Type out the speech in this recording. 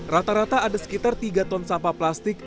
rata rata ada sekitar tiga ton sampah plastik